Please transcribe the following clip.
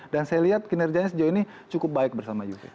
dan saya lihat kinerjanya sejauh ini cukup baik bersama juve